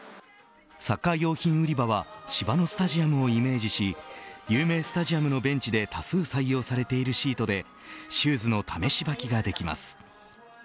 サッカー用品売り場は芝のスタジアムをイメージし有名スタジアムのベンチで多数採用されているシートでシューズを試し履きができます。